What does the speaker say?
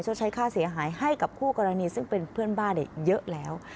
ใช้ค่าเสียหายให้กับคู่กรณีซึ่งเป็นเพื่อนบ้านเยอะแล้ว